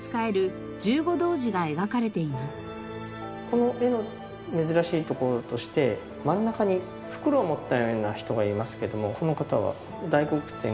この絵の珍しいところとして真ん中に袋を持ったような人がいますけどもこの方は大黒天。